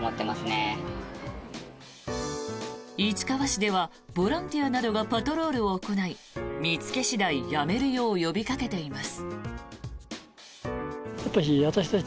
市川市ではボランティアなどがパトロールを行い見つけ次第やめるよう呼びかけています。